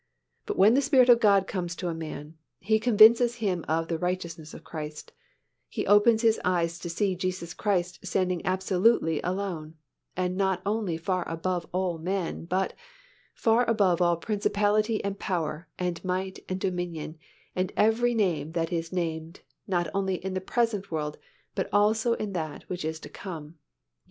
But when the Spirit of God comes to a man, He convinces him of the righteousness of Christ; He opens his eyes to see Jesus Christ standing absolutely alone, not only far above all men but "far above all principality and power and might and dominion, and every name that is named, not only in this world but also in that which is to come" (Eph.